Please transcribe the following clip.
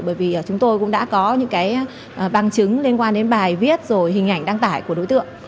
bởi vì chúng tôi cũng đã có những cái bằng chứng liên quan đến bài viết rồi hình ảnh đăng tải của đối tượng